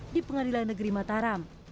di pengadilan negeri mataram